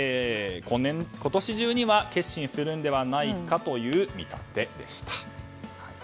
今年中には結審するのではないかという見立てでした。